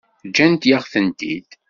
Ǧǧant-yaɣ-tent-id.